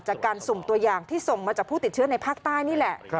สุ่มตัวอย่างที่ส่งมาจากผู้ติดเชื้อในภาคใต้นี่แหละ